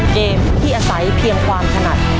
เกมที่อาศัยเพียงความถนัด